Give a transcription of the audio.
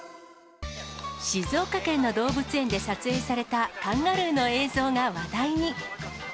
静岡県の動物園で撮影されたカンガルーの映像が話題に。